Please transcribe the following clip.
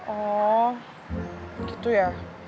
oh gitu ya